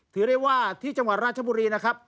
ถือได้ว่าที่จังหวัดราชบุรีนะครับ